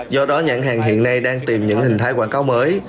do đó nhãn hàng hiện nay đang tìm những hình thái quảng cáo mới